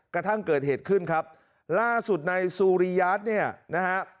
กระทั่งเกิดเหตุขึ้นครับล่าสุดในซูริยาทเนี่ยนะฮะ